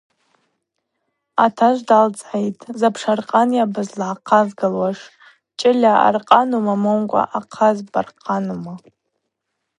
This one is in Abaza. Атажв дгӏалцӏгӏитӏ: – Запшаркъанйа бызлагӏахъазгылуаш: чыльа аркъанума момкӏва ахъаз аркъанума?